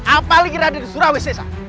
apalagi raden surawesi